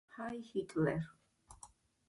ჰაი ჰიტლერ